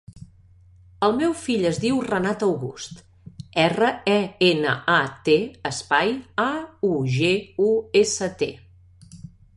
El meu fill es diu Renat August: erra, e, ena, a, te, espai, a, u, ge, u, essa, te.